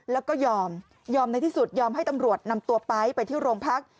แล้วก็ยอมยอมในที่สุดยอมให้ตำรวจนำตัวไป๊ไปที่โรงพัก